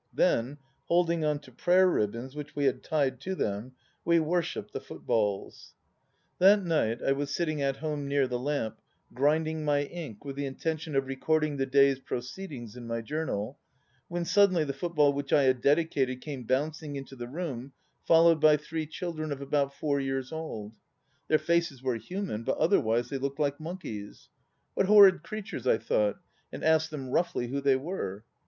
Then, holding on to prayer ribbons which we had tied to them, we worshipped the footballs. 248 SUMMARIES 249 That night I was sitting at home near the lamp, grinding my ink with the intention of recording the day's proceedings in my journal, when suddenly the football which I had dedicated came bouncing into the room followed by three children of about four years old. Their faces were human, but otherwise they looked like monkeys. "What horrid creatures," I thought, and asked them roughly who they were.